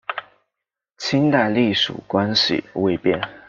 清代隶属关系未变。